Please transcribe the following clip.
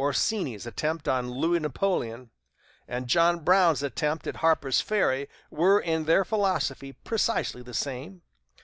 Orsini's attempt on Louis Napoleon and John Brown's attempt at Harper's Ferry were, in their philosophy, precisely the same.